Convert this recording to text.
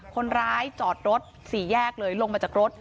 คนร้ายจอดรถสี่แยกเลยลงมาจากรถ